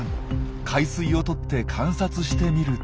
海水をとって観察してみると。